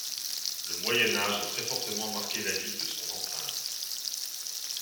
Le Moyen Âge a très fortement marqué la ville de son empreinte.